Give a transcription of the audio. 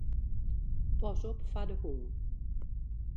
Pas op foar de hûn.